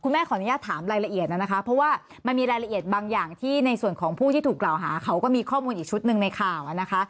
แม่ขออนุญาตถามรายละเอียดนะคะเพราะว่ามันมีรายละเอียดบางอย่างที่ในส่วนของผู้ที่ถูกกล่าวหาเขาก็มีข้อมูลอีกชุดหนึ่งในข่าวนะคะ